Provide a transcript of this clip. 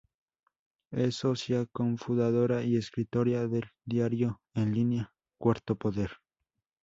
Es socia cofundadora y escritora del diario en línea "Cuarto Poder".